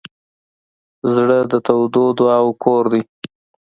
زړه د تودو دعاوو کور دی.